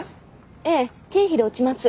ええ経費で落ちます。